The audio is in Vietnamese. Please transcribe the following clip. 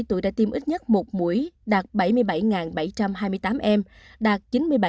đến một mươi bảy tuổi đã tiêm ít nhất một mũi đạt bảy mươi bảy bảy trăm hai mươi tám em đạt chín mươi bảy bảy